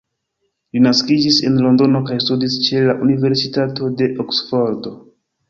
Li naskiĝis en Londono kaj studis ĉe la Universitato de Oksfordo.